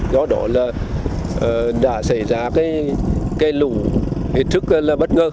do đó là đã xảy ra cái lũ hệt thức là bất ngờ